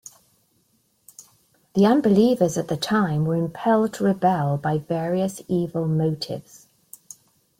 The unbelievers at the time were impelled to rebel by various evil motives.